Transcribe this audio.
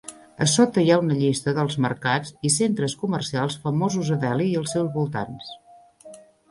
A sota hi ha una llista dels mercats i centres comercials famosos a Delhi i als seus voltants.